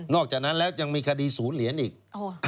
อกจากนั้นแล้วยังมีคดีศูนย์เหรียญอีก